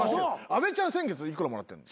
安部ちゃん先月幾らもらってるの？